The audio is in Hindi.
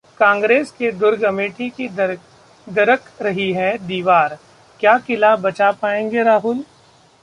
कांग्रेस के दुर्ग अमेठी की दरक रही है दीवार, क्या किला बचा पाएंगे राहुल